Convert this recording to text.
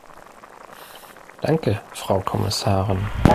Danke, Frau Kommissarin.